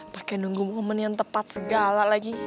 pakai nunggu momen yang tepat segala lagi